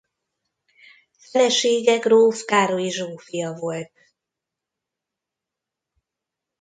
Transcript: Felesége gróf Károlyi Zsófia volt.